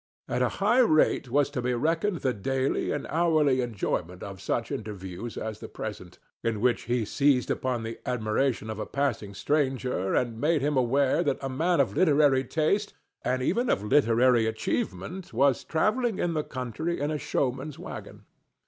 At a high rate was to be reckoned the daily and hourly enjoyment of such interviews as the present, in which he seized upon the admiration of a passing stranger and made him aware that a man of literary taste, and even of literary achievement, was travelling the country in a showman's wagon.